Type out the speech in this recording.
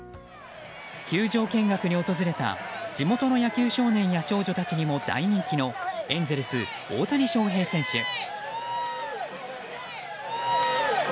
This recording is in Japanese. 球場見学に訪れた地元の野球少年や少女にも大人気のエンゼルス大谷翔平選手。